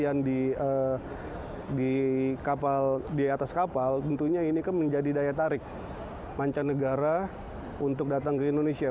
yang di atas kapal tentunya ini kan menjadi daya tarik mancanegara untuk datang ke indonesia